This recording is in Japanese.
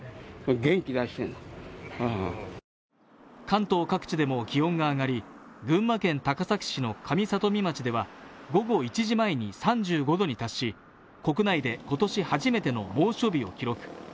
関東各地でも気温が上がり群馬県高崎市の上里見町では午後１時前に３５度に達し国内で今年初めての猛暑日を記録。